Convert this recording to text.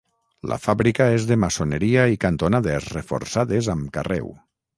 La fàbrica és de maçoneria i cantonades reforçades amb carreu.